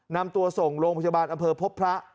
นำตัวส่งโรงพยาบาลอำเภอพบพระ